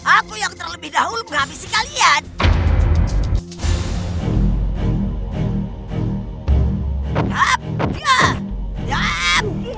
aku yang terlebih dahulu menghabisi kalian